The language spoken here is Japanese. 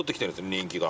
人気が。